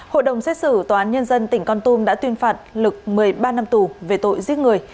hội đồng xét xử tòa án nhân dân tỉnh con tum đã tuyên phạt lực một mươi ba năm tù về tội giết người